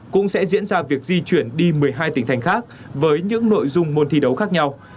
cũng sẽ diễn ra việc di chuyển đi một mươi hai tỉnh thành khác với những nội dung môn thi đấu khác nhau